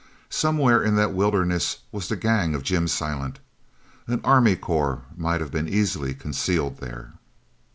Somewhere in that wilderness was the gang of Jim Silent. An army corps might have been easily concealed there.